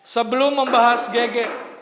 sebelum membahas gg